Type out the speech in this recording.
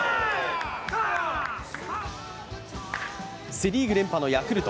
セ・リーグ連覇のヤクルト。